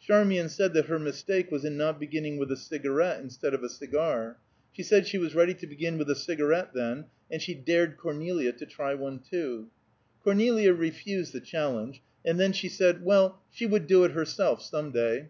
Charmian said that her mistake was in not beginning with a cigarette instead of a cigar; she said she was ready to begin with a cigarette then, and she dared Cornelia to try one, too. Cornelia refused the challenge, and then she said, well, she would do it herself, some day.